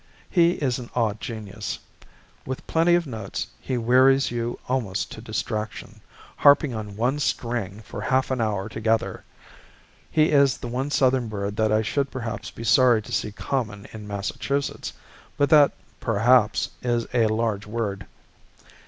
He is an odd genius. With plenty of notes, he wearies you almost to distraction, harping on one string for half an hour together. He is the one Southern bird that I should perhaps be sorry to see common in Massachusetts; but that "perhaps" is a large word.